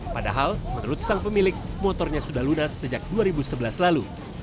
padahal menurut sang pemilik motornya sudah lunas sejak dua ribu sebelas lalu